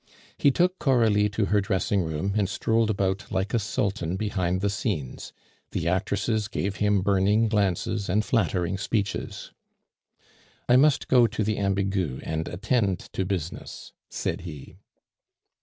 He took Coralie to her dressing room, and strolled about like a sultan behind the scenes; the actresses gave him burning glances and flattering speeches. "I must go to the Ambigu and attend to business," said he.